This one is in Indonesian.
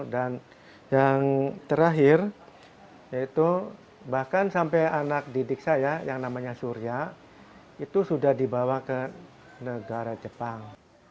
dan yang terakhir bahkan sampai anak didik saya yang namanya surya itu sudah dibawa ke negara jepang